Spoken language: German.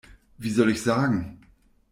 Wie soll ich sagen?